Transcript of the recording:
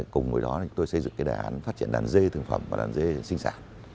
cùng với đó chúng tôi xây dựng cái đề án phát triển đàn dê thương phẩm và đàn dê sinh sản